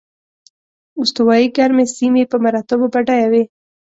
استوایي ګرمې سیمې په مراتبو بډایه وې.